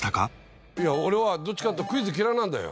いや俺はどっちかっていうとクイズ嫌いなんだよ。